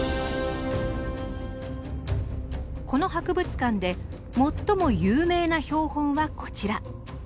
この博物館で最も有名な標本はこちら。